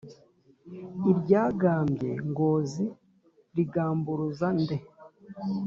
iryagambye ngozi rigamburuza nde !